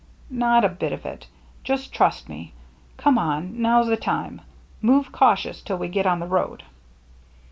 " Not a bit of it. Just trust me. Come on — now's the time. Move cautious till we get on the road."